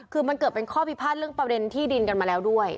คือมันเกิดเป็นข้อพิพาทเรื่องประเด็นที่ดินกันมาแล้วด้วย